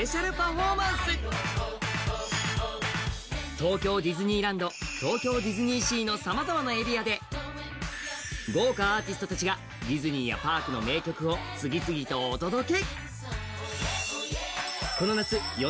東京ディズニーランド、東京ディズニーシーのさまざまなエリアで豪華アーティストたちがディズニーやパークの名曲を次々とお届け。